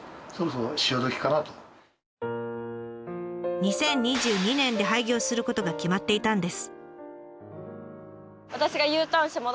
２０２２年で廃業することが決まっていたんです。